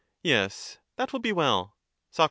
Yes, that will be well. Soc.